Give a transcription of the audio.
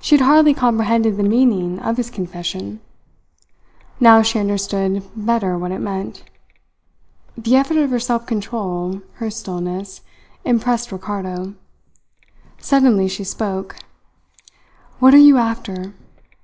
She had hardly comprehended the meaning of his confession. Now she understood better what it meant. The effort of her self control, her stillness, impressed Ricardo. Suddenly she spoke: "What are you after?"